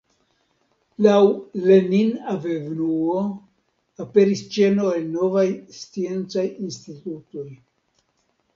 Laŭ Lenin-avenuo aperis ĉeno el novaj sciencaj institutoj.